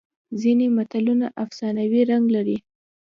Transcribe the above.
ځینې متلونه افسانوي رنګ لري